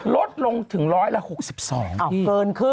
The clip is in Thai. ลดลงถึงร้อยละ๖๒พี่